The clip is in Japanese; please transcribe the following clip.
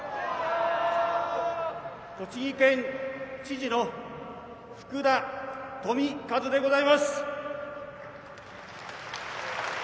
栃木県知事の福田富一でございます。